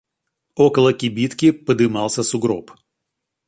Около кибитки подымался сугроб.